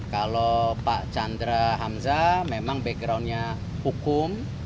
kalau pak chandra hamzah memang backgroundnya hukum